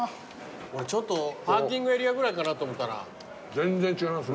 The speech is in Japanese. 俺ちょっとパーキングエリアぐらいかなと思ったら全然違いますね。